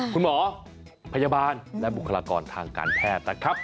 คุณหมอพยาบาลและบุคลากรทางการแพทย์นะครับ